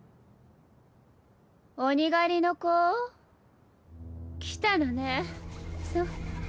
鬼狩りの子？来たのねそう。